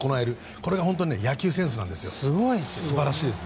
これが本当に野球センスなんですよ。素晴らしいです。